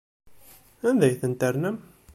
Anda ay tent-ternam?